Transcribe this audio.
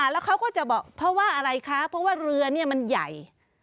แล้วเขาก็จะบอกเพราะว่าอะไรคะเพราะว่าเรือเนี่ยมันใหญ่